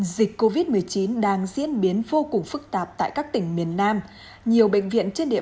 dịch covid một mươi chín đang diễn biến vô cùng phức tạp tại các tỉnh miền nam nhiều bệnh viện trên địa